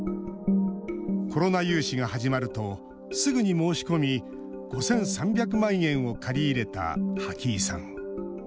コロナ融資が始まるとすぐに申し込み５３００万円を借り入れた波木井さん。